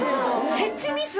設置ミス？